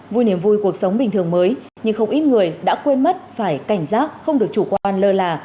vui niềm vui cuộc sống bình thường mới nhưng không ít người đã quên mất phải cảnh giác không được chủ quan lơ là